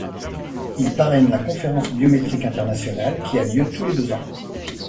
Il parraine la Conférence biométrique internationale, qui a lieu tous les deux ans.